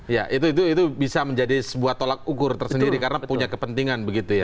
ya itu bisa menjadi sebuah tolak ukur tersendiri karena punya kepentingan begitu ya